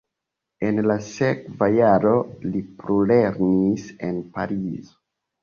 En la sekva jaro li plulernis en Parizo.